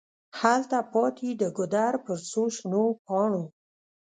هلته پاتي د ګودر پر څوشنو پاڼو